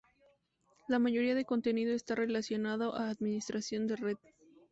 La mayoría de contenido está relacionado a administración de red.